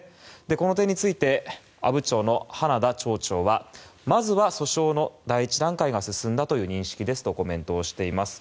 この点について阿武町の花田町長はまずは訴訟の第一段階が進んだという認識ですとコメントをしています。